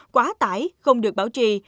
quá tải không được bảo trì